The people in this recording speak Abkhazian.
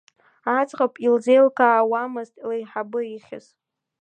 Аӡӷаб илзеилкаауамызт леиҳабы ихьыз.